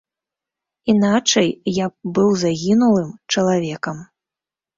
Іначай я б быў загінулым чалавекам.